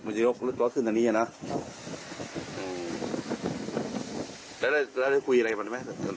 พึ่งตื่นทำไมไม่รู้เนี่ย